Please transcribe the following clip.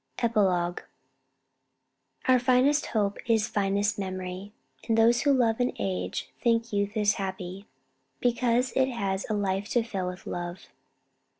EPILOGUE. Our finest hope is finest memory; And those who love in age think youth is happy, Because it has a life to fill with love.